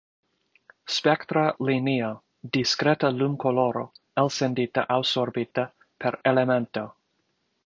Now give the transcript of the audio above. Spektra Linio: Diskreta lumkoloro elsendita aŭ sorbita per elemento.